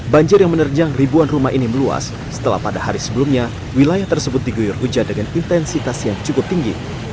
banjir yang menerjang ribuan rumah ini meluas setelah pada hari sebelumnya wilayah tersebut diguyur hujan dengan intensitas yang cukup tinggi